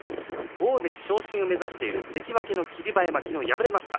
大関昇進を目指している関脇の霧馬山、昨日敗れました。